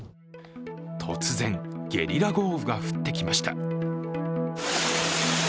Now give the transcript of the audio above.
突然ゲリラ豪雨が降ってきました。